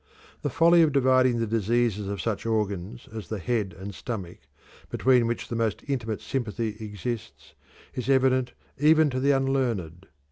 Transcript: The folly of dividing the diseases of such organs as the head and stomach, between which the most intimate sympathy exists, is evident even to the unlearned.